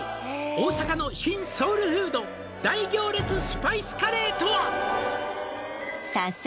「大阪の新ソウルフード」「大行列スパイスカレーとは？」